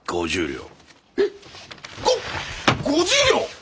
５５０両！？